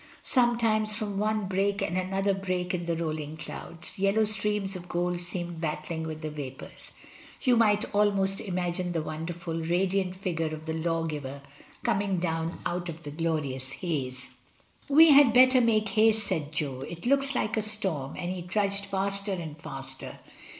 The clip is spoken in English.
Sometimes from one break and another break in the rolling clouds, yellow streams of gold seemed battling with the vapours; you might almost imagine the wonder ful, radiant figure of the lawgiver coming down out of the glorious haze. "We had better make haste," said Jo; "it looks like a storm," and he trudged faster and faster.